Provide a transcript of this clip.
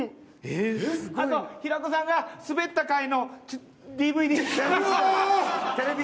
あと、平子さんがすべった会のＤＶＤ。